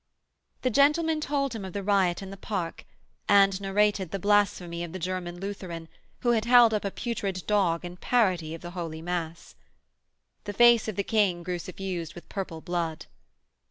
The gentleman told him of the riot in the park, and narrated the blasphemy of the German Lutheran, who had held up a putrid dog in parody of the Holy Mass. The face of the King grew suffused with purple blood.